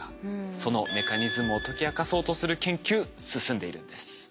そのメカニズムを解き明かそうとする研究進んでいるんです。